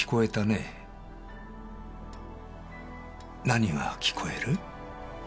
何が聞こえる？